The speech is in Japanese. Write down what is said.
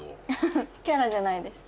フフフキャラじゃないです。